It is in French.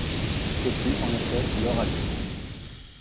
Ce fut, en effet, leur avis.